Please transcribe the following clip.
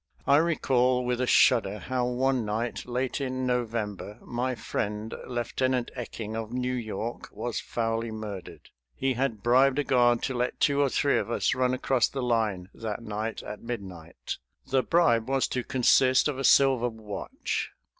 I recall with a shudder how one night late in November my friend, Lieutenant Ecking of New York, was foully murdered. He had bribed a guard to let two or three of us run across the line that night at midnight. The bribe was to consist of a silver watch.